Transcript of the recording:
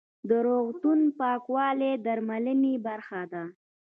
د روغتون پاکوالی د درملنې برخه ده.